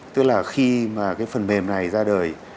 tức là khi mà cái phần mềm này ra đời